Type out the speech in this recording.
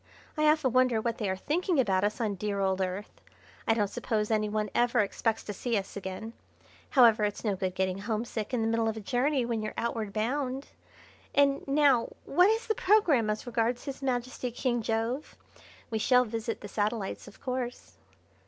I often wonder what they are thinking about us on the dear old Earth. I don't suppose any one ever expects to see us again. However, it's no good getting homesick in the middle of a journey when you're outward bound. And now what is the programme as regards His Majesty King Jove? We shall visit the satellites of course?"